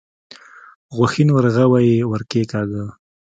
غوښين ورغوی يې ور کېکاږه.